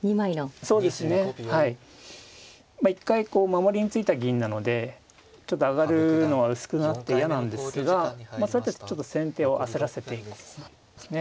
１回守りについた銀なのでちょっと上がるのは薄くなって嫌なんですがそうやって先手を焦らせています。